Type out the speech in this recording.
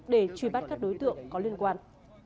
để truy bắt các đối tượng có liên quan